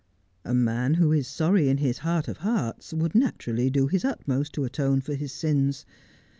'A man who is sorry in his heart of hearts would naturally do his utmost to atone for his sins.